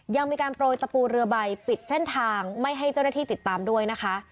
ยังมีการโปรยตะปูเรือใบปิดเส้นทางไม่ให้เจ้าหน้าที่ติดตามด้วยนะคะ